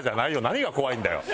何が怖いんだよ。なあ？